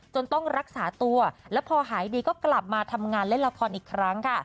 ต้องรักษาตัวแล้วพอหายดีก็กลับมาทำงานเล่นละครอีกครั้งค่ะ